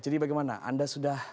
jadi bagaimana anda sudah